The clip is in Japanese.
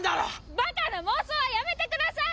バカな妄想はやめてください！